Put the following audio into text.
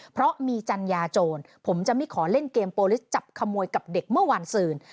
เพราะมีจัญญาโจรผมจะไม่ขอเล่นเกมโปรลิสจับขโมยกับเด็กเมื่อวานซื่น